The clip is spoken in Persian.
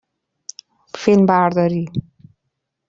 فیلم برداری